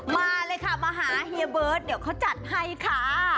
มาเลยค่ะมาหาเฮียเบิร์ตเดี๋ยวเขาจัดให้ค่ะ